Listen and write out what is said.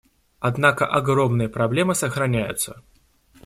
Однако огромные проблемы сохраняются.